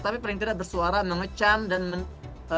tapi paling tidak bersuara mengecam dan